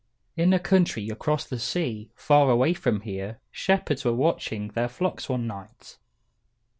In a country across the sea, far away from here, shepherds were watching their flocks one night.